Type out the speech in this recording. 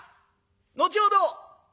後ほど！